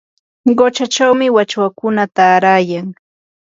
quchachawmi wachwakuna taarayan.